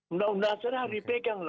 undang undang dasar harus dipegang